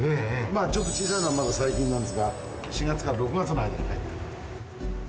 あちょっと小さいのはまだ最近なんですが４月から６月の間にかえってる。